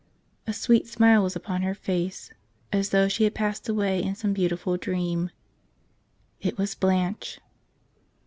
A sweet smile was upon her face, as though she had passed away in some beau¬ tiful dream. It was Blanche